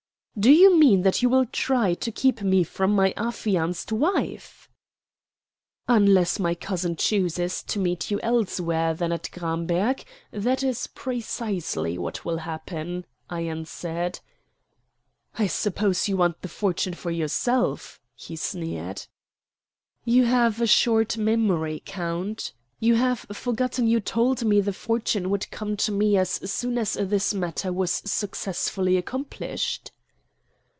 "Do you mean that you will try to keep me from my affianced wife?" "Unless my cousin chooses to meet you elsewhere than at Gramberg, that is precisely what will happen," I answered. "I suppose you want the fortune for yourself?" he sneered. "You have a short memory, count. You have forgotten you told me the fortune would come to me as soon as this matter was successfully accomplished."